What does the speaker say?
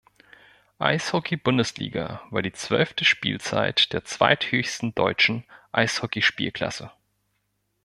Eishockey-Bundesliga war die zwölfte Spielzeit der zweithöchsten deutschen Eishockeyspielklasse.